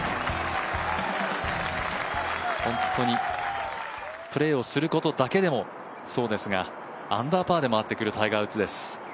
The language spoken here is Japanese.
本当にプレーをすることだけでもそうですがアンダーパーで回ってくるタイガー・ウッズです。